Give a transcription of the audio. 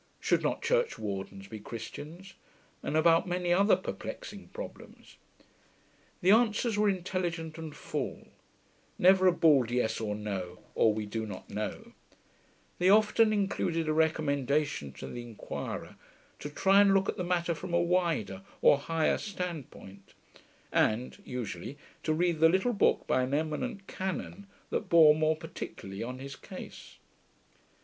'Should not churchwardens be Christians?' and about many other perplexing problems. The answers were intelligent and full, never a bald Yes, or No, or We do not know; they often included a recommendation to the inquirer to try and look at the matter from a wider, or higher, standpoint, and (usually) to read the little book by an eminent Canon that bore more particularly on his case.